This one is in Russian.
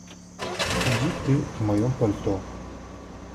Иди ты в моём пальто.